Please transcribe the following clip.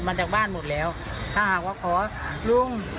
ไปช่วยกระจิงที่วัดท่าถุง